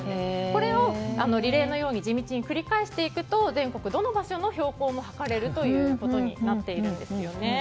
これをリレーのように地道に繰り返していくと全国どの場所の標高も測れるということになっているんですね。